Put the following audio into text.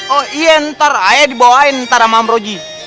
oh iya ntar ayah dibawain ntar sama amroji